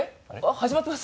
始まってます！